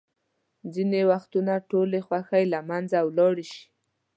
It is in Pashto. ځینې وختونه ټولې خوښۍ له منځه ولاړې شي.